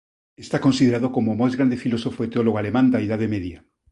Está considerado como o máis grande filósofo e teólogo alemán da Idade Media.